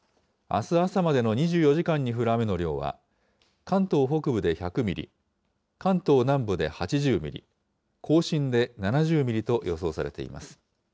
あす朝までの２４時間に降る雨の量は、関東北部で１００ミリ、関東南部で８０ミリ、甲信で７０ミリと予想されています。